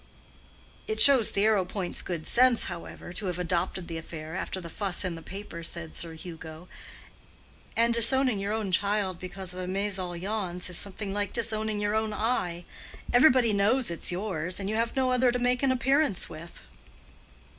"It shows the Arrowpoints' good sense, however, to have adopted the affair, after the fuss in the paper," said Sir Hugo. "And disowning your own child because of a mésalliance is something like disowning your one eye: everybody knows it's yours, and you have no other to make an appearance with."